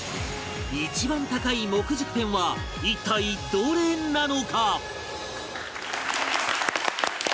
一番高い木軸ペンは一体どれなのか？